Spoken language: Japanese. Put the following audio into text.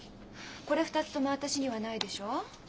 これ２つとも私にはないでしょ。